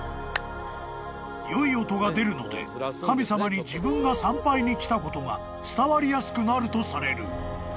［良い音が出るので神様に自分が参拝に来たことが伝わりやすくなるとされる］